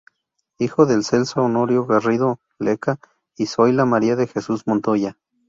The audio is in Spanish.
Hijo de Celso Honorio Garrido Lecca y Zoila Maria de Jesús Montoya.